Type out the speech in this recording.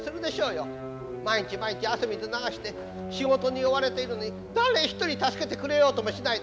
毎日毎日汗水流して仕事に追われているのに誰一人助けてくれようともしない。